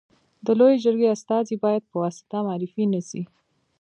د لويي جرګي استازي باید په واسطه معرفي نه سي.